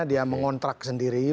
dia mengontrak sendiri begitu ya